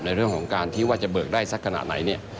ในเรื่องของการที่ว่าจะเบิกได้สักขนาดไหนเนี่ย